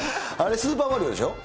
スーパーマリオです。